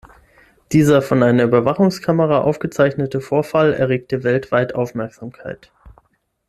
Dieser von einer Überwachungskamera aufgezeichnete Vorfall erregte weltweit Aufmerksamkeit.